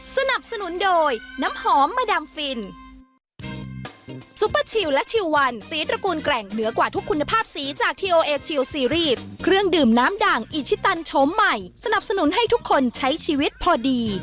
สนับสนุนโดยน้ำหอมมาดามฟินซุปเปอร์ชิลและชิลวันสีตระกูลแกร่งเหนือกว่าทุกคุณภาพสีจากทีโอเอชิลซีรีส์เครื่องดื่มน้ำด่างอิชิตันโฉมใหม่สนับสนุนให้ทุกคนใช้ชีวิตพอดี